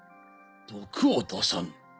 毒を出さぬ？